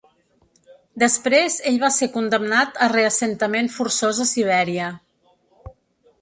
Després ell va ser condemnat a reassentament forçós a Siberia.